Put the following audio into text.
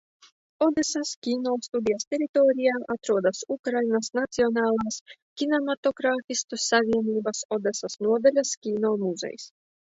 Odesas kinostudijas teritorijā atrodas Ukrainas Nacionālās kinematogrāfistu savienības Odesas nodaļas kino muzejs.